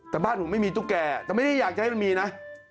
แต่บ้านผมไม่มีตุ๊กแก่แต่ไม่ได้อยากจะให้มันมีนะ